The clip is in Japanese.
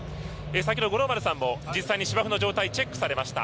先ほど、五郎丸さんも実際に芝生の状態、チェックされました。